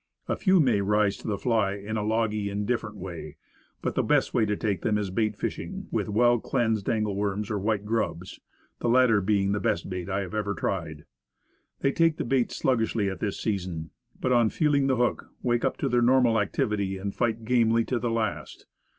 A few may rise to the fly in a logy, indifferent way; but the best way to take them is bait fishing with well cleansed angle worms or white grubs, the latter being the best bait I have ever tried. They take the bait sluggishly at this season, but, on feeling the hook, wake up to their normal activity and fight gamely to the last.